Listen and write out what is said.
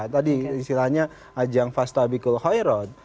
tadi istilahnya ajang fastabikul khairot